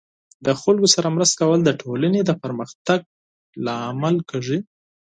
د خلکو سره مرسته کول د ټولنې د پرمختګ لامل کیږي.